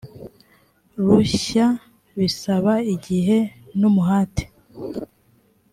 rushya bisaba igihe n umuhate